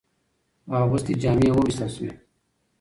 اغوستي جامې ووېستل شوې.